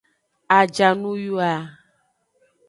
Ajanuyoa.